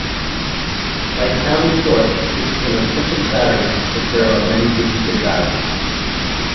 Like counting sort, this is an efficient variant if there are many duplicate values.